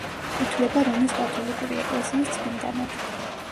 ითვლება რომის კათოლიკური ეკლესიის წმინდანად.